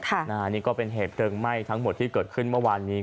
อันนี้ก็เป็นเหตุเพลิงไหม้ทั้งหมดที่เกิดขึ้นเมื่อวานนี้